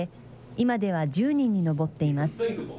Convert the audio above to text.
今では１０人に上っています。